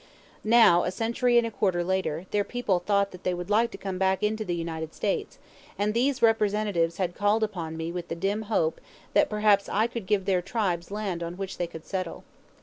Now, a century and a quarter later, their people thought that they would like to come back into the United States; and these representatives had called upon me with the dim hope that perhaps I could give their tribes land on which they could settle.